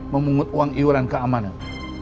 memungut uang iuran keamanan